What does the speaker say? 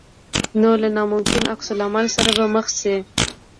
نو له ناممکن عکس العمل سره به مخ شې.